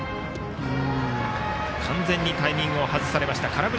完全にタイミングを外されました。